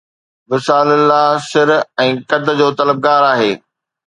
وصال لله سر ۽ قد جو طلبگار آهي